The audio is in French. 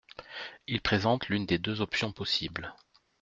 Il présente l’une des deux options possibles.